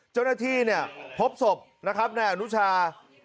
เจ้าหน้าที่เนี่ยพบศพนะครับนายอนุชา